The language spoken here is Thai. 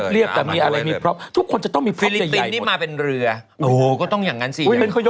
รวยสุยไง